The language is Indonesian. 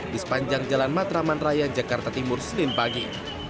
di sepanjang jalan matraman raya jakarta timur senin pagi